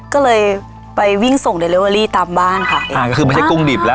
ก็เลยไปวิ่งส่งเดลิเวอรี่ตามบ้านค่ะอ่าก็คือไม่ใช่กุ้งดิบแล้ว